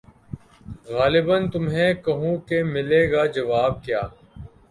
غالبؔ تمہیں کہو کہ ملے گا جواب کیا